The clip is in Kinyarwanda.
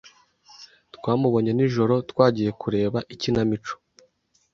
Twamubonye nijoro twagiye kureba ikinamico.